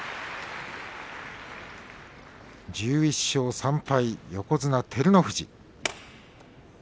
１１勝３敗横綱照ノ富士。